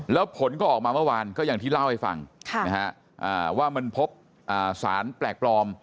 แล้วผลก็ออกมาเมื่อวานก็อย่างที่เล่าให้ฟังว่ามันพบสารแปลกปลอม